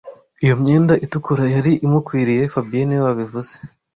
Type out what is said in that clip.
Iyo myenda itukura yari imukwiriye fabien niwe wabivuze